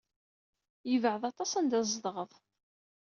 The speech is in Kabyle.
Yebɛed aṭas wanda ay tzedɣed.